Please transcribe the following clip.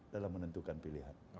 dalam menentukan pilihan